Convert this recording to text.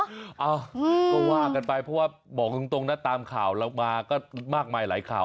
เอ้าก็ว่ากันไปเพราะว่าบอกตรงนะตามข่าวเรามาก็มากมายหลายข่าว